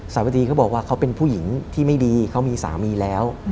สาวดีเขาบอกว่าเขาเป็นผู้หญิงที่ไม่ดีเขามีสามีแล้ว